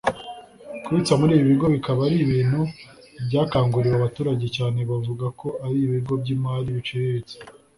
Kubitsa muri ibi bigo bikaba ari ibintu byakanguriwe abaturage cyane bavuga ko ari ibigo by’imari biciriritse